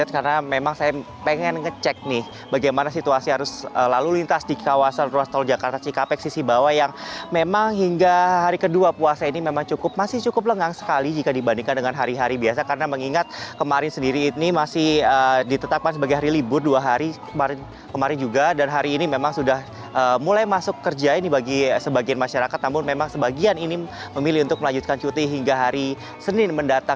karena memang saya pengen ngecek nih bagaimana situasi harus lalu lintas di kawasan ruas tol jakarta cikampek sisi bawah yang memang hingga hari kedua puasa ini memang cukup masih cukup lengang sekali jika dibandingkan dengan hari hari biasa karena mengingat kemarin sendiri ini masih ditetapkan sebagai hari libur dua hari kemarin juga dan hari ini memang sudah mulai masuk kerja ini bagi sebagian masyarakat namun memang sebagian ini memilih untuk melanjutkan cuti hingga hari senin mendatang